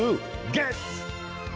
ゲッツ！